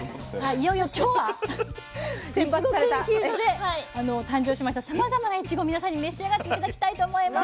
いよいよ今日はいちご研究所で誕生しましたさまざまないちご皆さんに召し上がって頂きたいと思います。